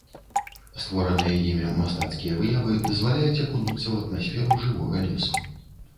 Створаныя імі мастацкія выявы дазваляюць акунуцца ў атмасферу жывога лесу.